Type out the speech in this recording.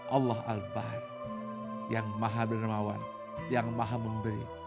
allah al bahr yang maha dermawan yang maha memberi